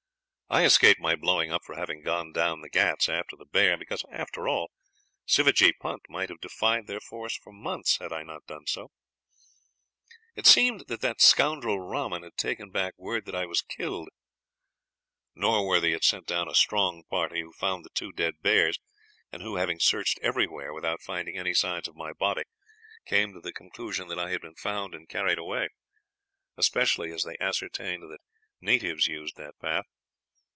I escaped my blowing up for having gone down the Ghauts after the bear, because, after all, Sivajee Punt might have defied their force for months had I not done so. "It seemed that that scoundrel Rahman had taken back word that I was killed. Norworthy had sent down a strong party, who found the two dead bears, and who, having searched everywhere without finding any signs of my body, came to the conclusion that I had been found and carried away, especially as they ascertained that natives used that path.